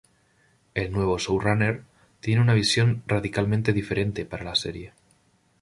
El nuevo showrunner tiene una visión radicalmente diferente para la serie.